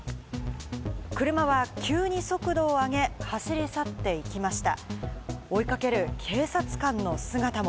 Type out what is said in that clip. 車は急に速度を上げ、走り去っていきました。